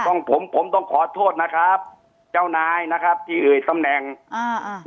ต้องผมผมต้องขอโทษนะครับเจ้านายนะครับที่เอ่ยตำแหน่งอ่า